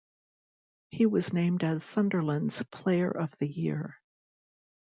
He was named as Sunderland's Player of the Year.